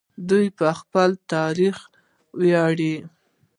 دوی په خپل تاریخ ویاړي.